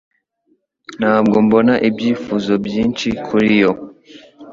Ntabwo mbona ibyifuzo byinshi kuri yo.